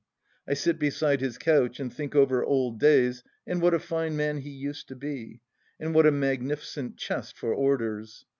I sit beside his couch and think over old days and what a fine man he used to be, and what a magnificent chest for orders